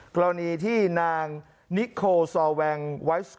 กรณีที่นางนิโคซอแวงไวซ